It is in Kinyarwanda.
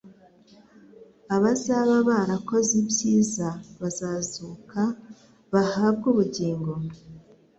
Abazaba barakoze ibyiza bazazuka bahabwe ubugingo,